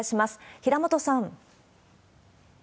平本さん。